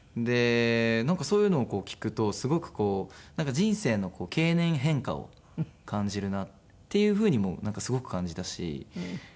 なんかそういうのを聞くとすごく人生の経年変化を感じるなっていう風にもなんかすごく感じたしうん。